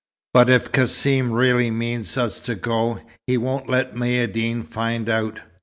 "But, if Cassim really means us to go, he won't let Maïeddine find out.